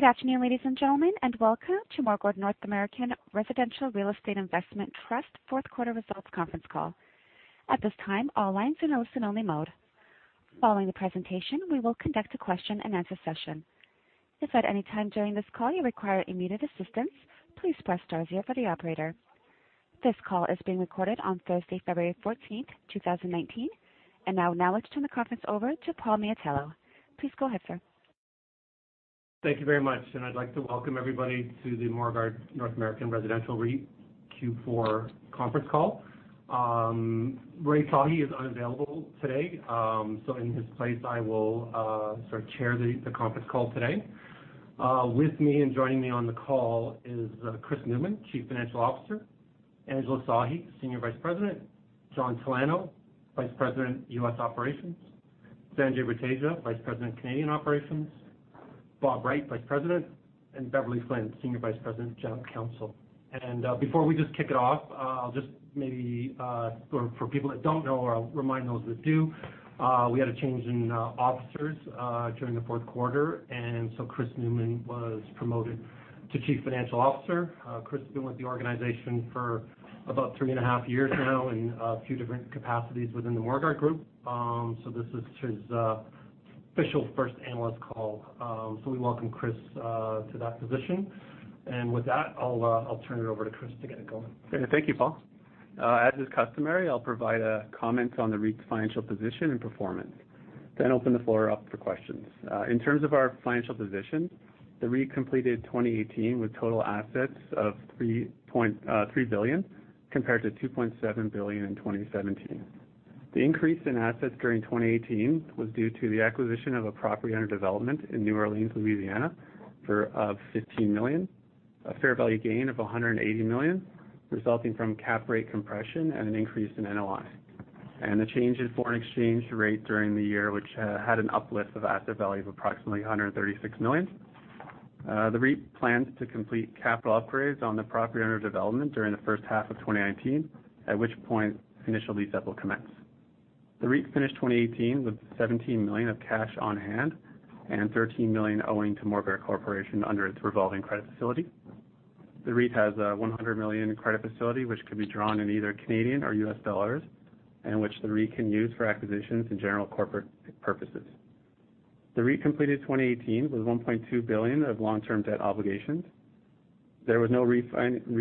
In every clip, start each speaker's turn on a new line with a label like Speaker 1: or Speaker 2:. Speaker 1: Good afternoon, ladies and gentlemen, and welcome to Morguard North American Residential Real Estate Investment Trust fourth quarter results conference call. At this time, all lines are in listen-only mode. Following the presentation, we will conduct a question and answer session. If at any time during this call you require immediate assistance, please press star zero for the operator. This call is being recorded on Thursday, February 14th, 2019. I would now like to turn the conference over to Paul Miatello. Please go ahead, sir.
Speaker 2: Thank you very much. I'd like to welcome everybody to the Morguard North American Residential REIT Q4 conference call. Rai Sahi is unavailable today. In his place, I will sort of chair the conference call today. With me and joining me on the call is Chris Newman, Chief Financial Officer, Angela Sahi, Senior Vice President, John Talano, Vice President, U.S. Operations, Sanjay Buteja, Vice President, Canadian Operations, Bob Wright, Vice President, and Beverley Flynn, Senior Vice President, General Counsel. Before we just kick it off, I'll just maybe for people that don't know, or I'll remind those that do, we had a change in officers during the fourth quarter. Chris Newman was promoted to Chief Financial Officer. Chris has been with the organization for about three and a half years now in a few different capacities within the Morguard group. This is his official first analyst call. We welcome Chris to that position. With that, I'll turn it over to Chris to get it going.
Speaker 3: Thank you, Paul. As is customary, I'll provide comments on the REIT's financial position and performance, then open the floor up for questions. In terms of our financial position, the REIT completed 2018 with total assets of 3 billion compared to 2.7 billion in 2017. The increase in assets during 2018 was due to the acquisition of a property under development in New Orleans, Louisiana, for 15 million, a fair value gain of 180 million resulting from cap rate compression and an increase in NOI. The change in foreign exchange rate during the year, which had an uplift of asset value of approximately 136 million. The REIT plans to complete capital upgrades on the property under development during the first half of 2019, at which point initial lease up will commence. The REIT finished 2018 with 17 million of cash on hand and 13 million owing to Morguard Corporation under its revolving credit facility. The REIT has a 100 million credit facility which could be drawn in either Canadian or U.S. dollars and which the REIT can use for acquisitions and general corporate purposes. The REIT completed 2018 with 1.2 billion of long-term debt obligations. There was no refinancing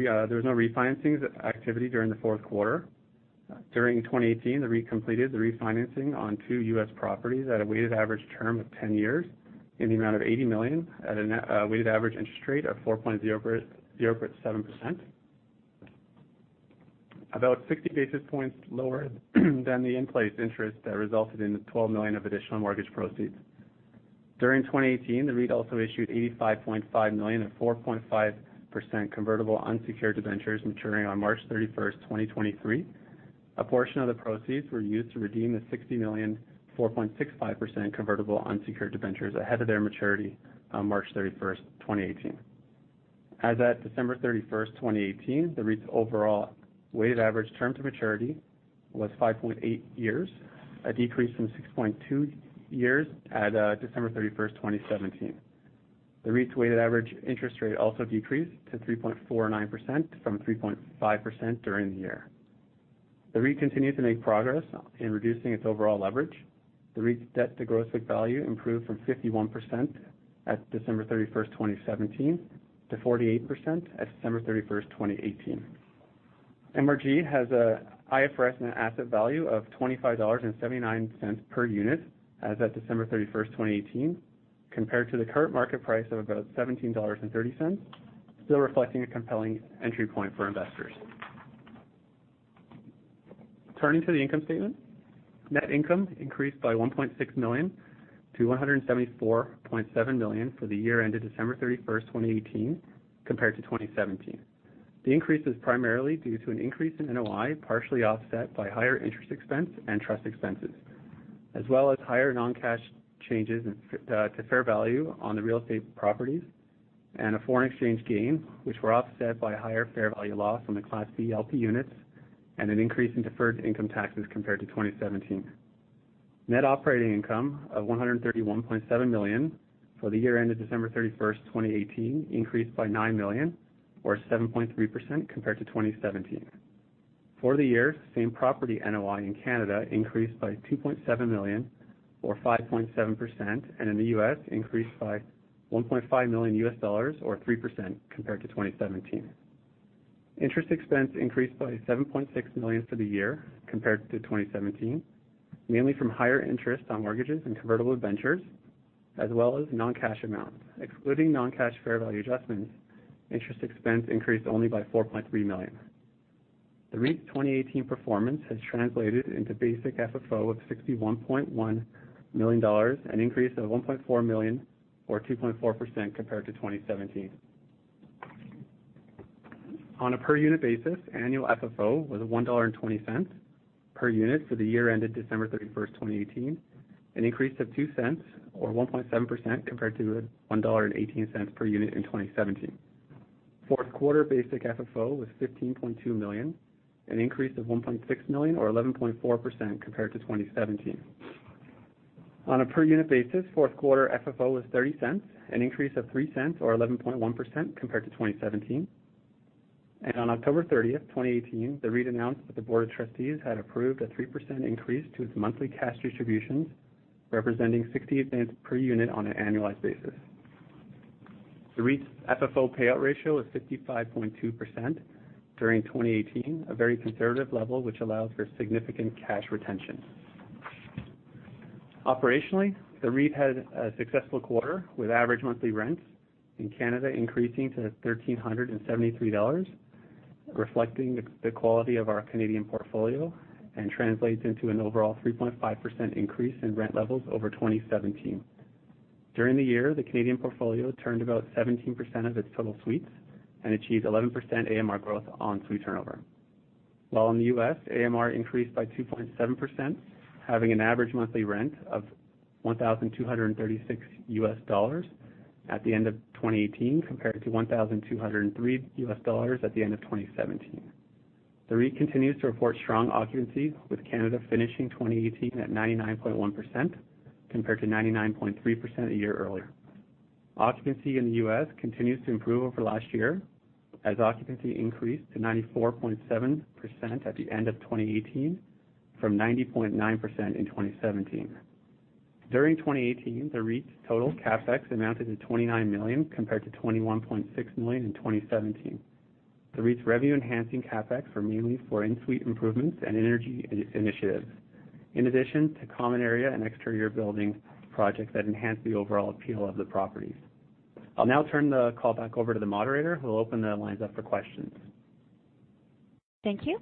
Speaker 3: activity during the fourth quarter. During 2018, the REIT completed the refinancing on two U.S. properties at a weighted average term of 10 years in the amount of 80 million at a weighted average interest rate of 4.07%. About 60 basis points lower than the in-place interest that resulted in 12 million of additional mortgage proceeds. During 2018, the REIT also issued 85.5 million at 4.5% convertible unsecured debentures maturing on March 31st, 2023. A portion of the proceeds were used to redeem the 60 million, 4.65% convertible unsecured debentures ahead of their maturity on March 31st, 2018. As at December 31st, 2018, the REIT's overall weighted average term to maturity was 5.8 years, a decrease from 6.2 years at December 31st, 2017. The REIT's weighted average interest rate also decreased to 3.49% from 3.5% during the year. The REIT continued to make progress in reducing its overall leverage. The REIT's debt to gross book value improved from 51% at December 31st, 2017, to 48% at December 31st, 2018. MRG.UN has an IFRS net asset value of 25.79 dollars per unit as at December 31st, 2018, compared to the current market price of about 17.30 dollars, still reflecting a compelling entry point for investors. Turning to the income statement. Net income increased by 1.6 million-174.7 million for the year ended December 31st, 2018, compared to 2017. The increase is primarily due to an increase in NOI, partially offset by higher interest expense and trust expenses. As well as higher non-cash changes to fair value on the real estate properties and a foreign exchange gain, which were offset by a higher fair value loss on the Class B LP Units and an increase in deferred income taxes compared to 2017. Net operating income of 131.7 million for the year ended December 31st, 2018, increased by 9 million or 7.3% compared to 2017. For the year, same property NOI in Canada increased by 2.7 million or 5.7%, and in the U.S. increased by $1.5 million U.S. dollars or 3% compared to 2017. Interest expense increased by 7.6 million for the year compared to 2017, mainly from higher interest on mortgages and convertible debentures, as well as non-cash amounts. Excluding non-cash fair value adjustments, interest expense increased only by 4.3 million. The REIT's 2018 performance has translated into basic FFO of 61.1 million dollars, an increase of 1.4 million or 2.4% compared to 2017. On a per unit basis, annual FFO was 1.20 dollar per unit for the year ended December 31st, 2018, an increase of 0.02 or 1.7% compared to 1.18 dollar per unit in 2017. Fourth quarter basic FFO was 15.2 million, an increase of 1.6 million or 11.4% compared to 2017. On a per unit basis, fourth quarter FFO was 0.30, an increase of 0.03 or 11.1% compared to 2017. On October 30th, 2018, the REIT announced that the Board of Trustees had approved a 3% increase to its monthly cash distributions, representing 0.60 per unit on an annualized basis. The REIT's FFO payout ratio is 55.2% during 2018, a very conservative level, which allows for significant cash retention. Operationally, the REIT had a successful quarter, with average monthly rents in Canada increasing to 1,373 dollars, reflecting the quality of our Canadian portfolio and translates into an overall 3.5% increase in rent levels over 2017. During the year, the Canadian portfolio turned about 17% of its total suites and achieved 11% AMR growth on suite turnover. While in the U.S., AMR increased by 2.7%, having an average monthly rent of CAD 1,236 at the end of 2018, compared to CAD 1,203 at the end of 2017. The REIT continues to report strong occupancies, with Canada finishing 2018 at 99.1% compared to 99.3% a year earlier. Occupancy in the U.S. continues to improve over last year, as occupancy increased to 94.7% at the end of 2018 from 90.9% in 2017. During 2018, the REIT's total CapEx amounted to 29 million, compared to 21.6 million in 2017. The REIT's revenue enhancing CapEx were mainly for in-suite improvements and energy initiatives, in addition to common area and exterior building projects that enhance the overall appeal of the properties. I'll now turn the call back over to the moderator, who will open the lines up for questions.
Speaker 1: Thank you.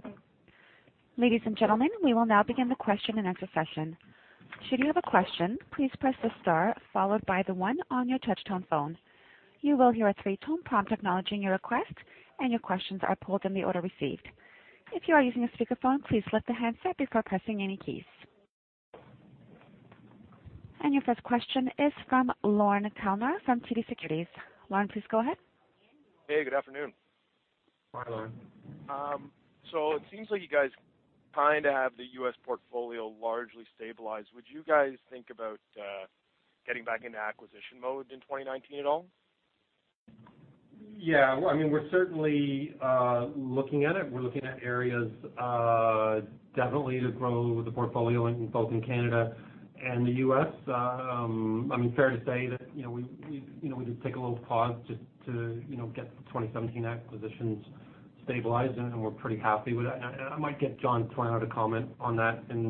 Speaker 1: Ladies and gentlemen, we will now begin the question-and-answer session. Should you have a question, please press the star followed by the one on your touchtone phone. You will hear a three-tone prompt acknowledging your request, and your questions are pulled in the order received. If you are using a speakerphone, please lift the handset before pressing any keys. Your first question is from Lorne Kalmar from TD Securities. Lorne, please go ahead.
Speaker 4: Hey, good afternoon.
Speaker 3: Hi, Lorne.
Speaker 4: It seems like you guys kind of have the U.S. portfolio largely stabilized. Would you guys think about getting back into acquisition mode in 2019 at all?
Speaker 3: Yeah. We're certainly looking at it. We're looking at areas, definitely to grow the portfolio, both in Canada and the U.S. Fair to say that we did take a little pause just to get the 2017 acquisitions stabilized, and we're pretty happy with that. I might get John Talano to comment on that in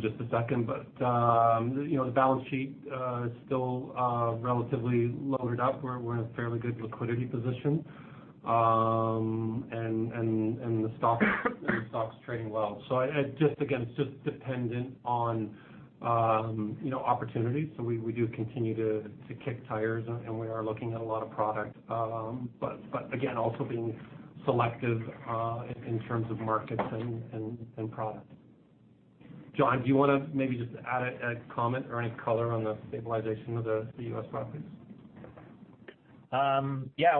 Speaker 3: just a second. The balance sheet is still relatively loaded up. We're in a fairly good liquidity position. The stock's trading well. Again, it's just dependent on opportunities. We do continue to kick tires, and we are looking at a lot of product. Again, also being selective in terms of markets and product. John, do you want to maybe just add a comment or any color on the stabilization of the U.S. properties?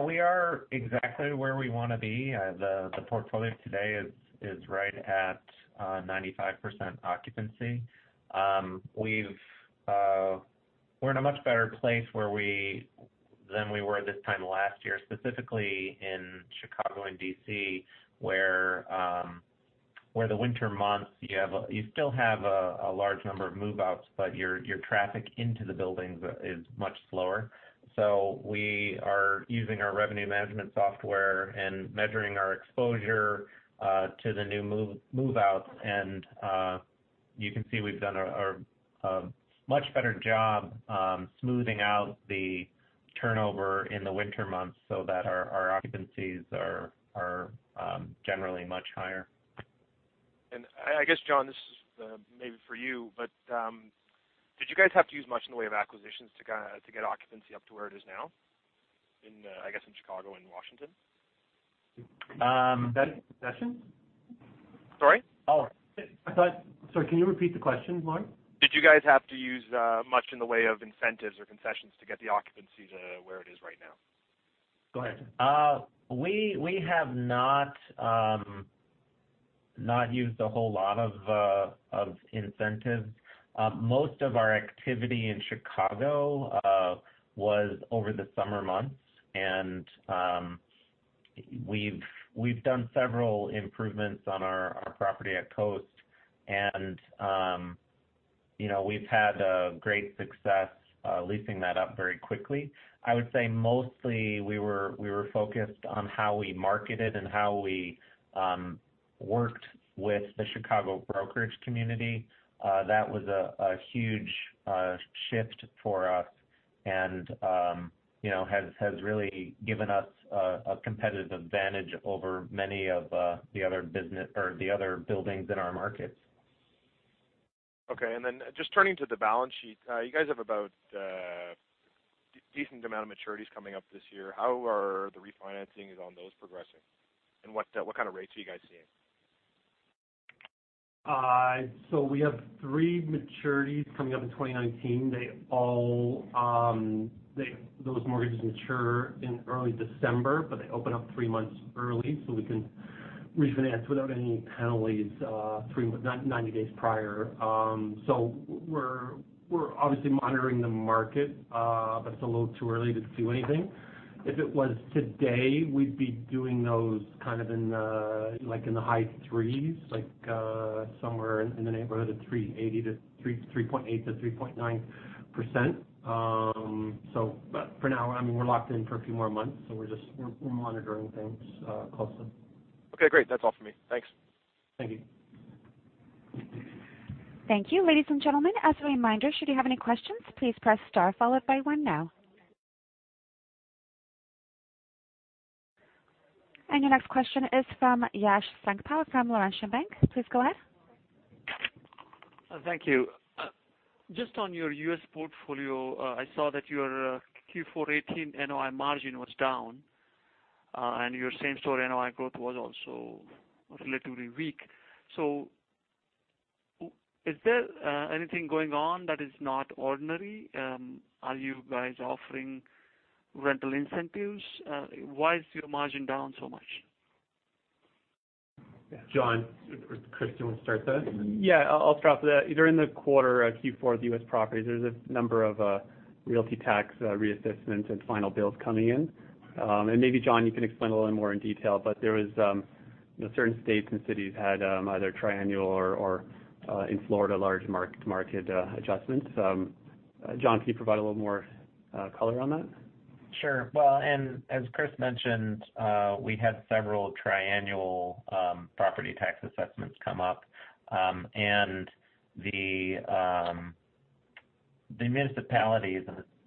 Speaker 5: We are exactly where we want to be. The portfolio today is right at 95% occupancy. We're in a much better place than we were this time last year, specifically in Chicago and D.C., where the winter months, you still have a large number of move-outs, but your traffic into the buildings is much slower. We are using our revenue management software and measuring our exposure to the new move-outs. You can see we've done a much better job smoothing out the turnover in the winter months so that our occupancies are generally much higher.
Speaker 4: I guess, John, this is maybe for you, did you guys have to use much in the way of acquisitions to get occupancy up to where it is now in, I guess, in Chicago and Washington?
Speaker 3: Concessions?
Speaker 4: Sorry?
Speaker 3: Sorry, can you repeat the question, Lorne?
Speaker 4: Did you guys have to use much in the way of incentives or concessions to get the occupancy to where it is right now?
Speaker 3: Go ahead.
Speaker 5: We have not used a whole lot of incentives. Most of our activity in Chicago was over the summer months, and we've done several improvements on our property at Coast, and we've had great success leasing that up very quickly. I would say mostly we were focused on how we marketed and how we worked with the Chicago brokerage community. That was a huge shift for us and has really given us a competitive advantage over many of the other buildings in our markets.
Speaker 4: Okay. Then just turning to the balance sheet. You guys have about a decent amount of maturities coming up this year. How are the refinancings on those progressing, and what kind of rates are you guys seeing?
Speaker 2: We have three maturities coming up in 2019. Those mortgages mature in early December, but they open up three months early so we can refinance without any penalties 90 days prior. We're obviously monitoring the market, but it's a little too early to do anything. If it was today, we'd be doing those in the high threes, somewhere in the neighborhood of 3.8%-3.9%. For now, we're locked in for a few more months, so we're monitoring things closely.
Speaker 4: Okay, great. That's all for me. Thanks.
Speaker 2: Thank you.
Speaker 1: Thank you. Ladies and gentlemen, as a reminder, should you have any questions, please press star followed by one now. Your next question is from Yash Sankpal from Laurentian Bank. Please go ahead.
Speaker 6: Thank you. Just on your U.S. portfolio, I saw that your Q4 2018 NOI margin was down, and your same-store NOI growth was also relatively weak. Is there anything going on that is not ordinary? Are you guys offering rental incentives? Why is your margin down so much?
Speaker 2: John, Chris, do you want to start that?
Speaker 3: Yeah, I'll start with that. During the quarter, Q4, the U.S. properties, there's a number of realty tax reassessments and final bills coming in. Maybe, John, you can explain a little more in detail. There was certain states and cities had either triannual or in Florida, large market adjustments. John, can you provide a little more color on that?
Speaker 5: Sure. Well, as Chris mentioned, we had several triannual property tax assessments come up. The municipalities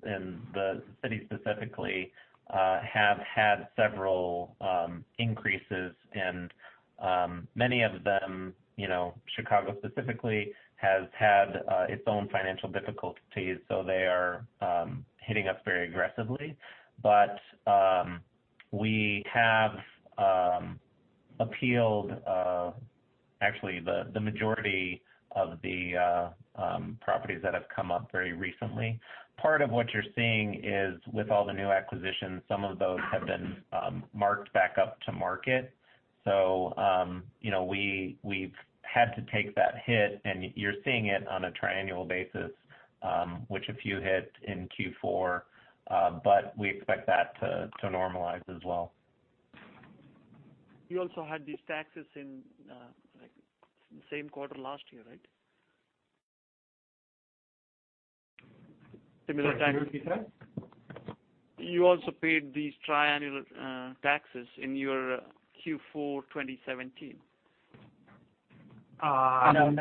Speaker 5: and the cities specifically have had several increases, and many of them, Chicago specifically, has had its own financial difficulties. They are hitting us very aggressively. We have appealed actually the majority of the properties that have come up very recently. Part of what you're seeing is with all the new acquisitions, some of those have been marked back up to market. We've had to take that hit, and you're seeing it on a triannual basis, which a few hit in Q4. We expect that to normalize as well.
Speaker 6: You also had these taxes in the same quarter last year, right?
Speaker 2: Property tax?
Speaker 6: You also paid these triannual taxes in your Q4 2017.
Speaker 5: No.
Speaker 2: Go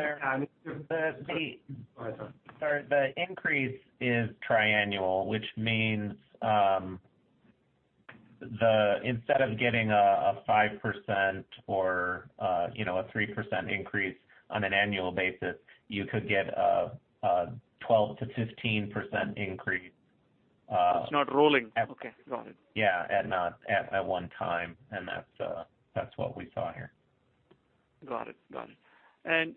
Speaker 2: ahead, John.
Speaker 5: Sorry. The increase is triannual, which means instead of getting a 5% or a 3% increase on an annual basis, you could get a 12%-15% increase.
Speaker 6: It's not rolling. Okay, got it.
Speaker 5: Yeah, at one time, that's what we saw here.
Speaker 6: Got it.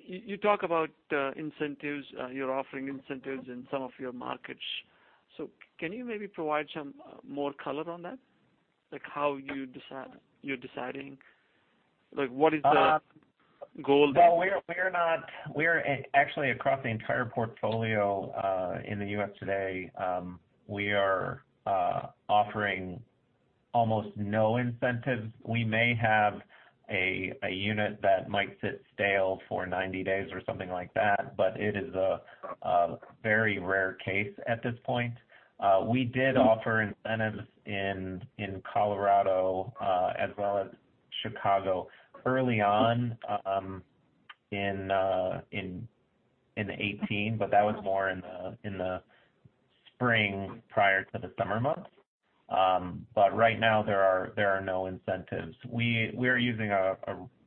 Speaker 6: You talk about incentives. You're offering incentives in some of your markets. Can you maybe provide some more color on that? How you're deciding, what is the goal there?
Speaker 5: Well, we're actually across the entire portfolio in the U.S. today. We are offering almost no incentives. We may have a unit that might sit stale for 90 days or something like that, but it is a very rare case at this point. We did offer incentives in Colorado, as well as Chicago early on in 2018, but that was more in the spring prior to the summer months. Right now there are no incentives. We are using a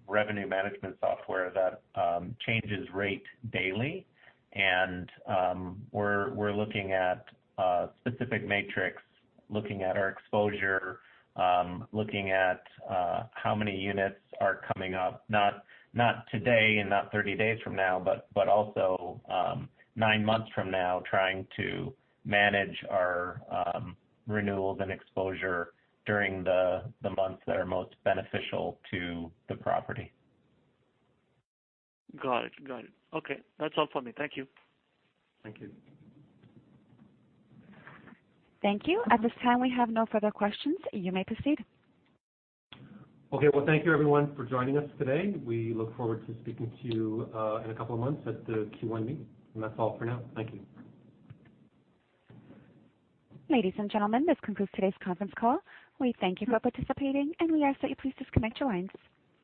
Speaker 5: revenue management software that changes rate daily. We're looking at specific metrics, looking at our exposure, looking at how many units are coming up, not today and not 30 days from now, but also nine months from now, trying to manage our renewals and exposure during the months that are most beneficial to the property.
Speaker 6: Got it. Okay. That's all for me. Thank you.
Speaker 2: Thank you.
Speaker 1: Thank you. At this time, we have no further questions. You may proceed.
Speaker 2: Okay. Well, thank you everyone for joining us today. We look forward to speaking to you in a couple of months at the Q1 meeting. That's all for now. Thank you.
Speaker 1: Ladies and gentlemen, this concludes today's conference call. We thank you for participating, and we ask that you please disconnect your lines.